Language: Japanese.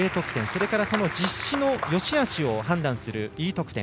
それから実施のよしあしを判断するＥ得点。